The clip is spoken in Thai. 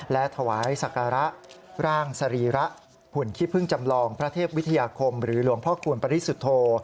และถวายศักระร่างสรีระหุ่นขี้พึ่งจำลองพระเทพวิทยาคมหรือหลวงพ่อคูณปริสุทธโธ